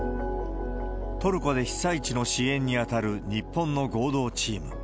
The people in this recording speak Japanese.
トルコで被災地の支援にあたる日本の合同チーム。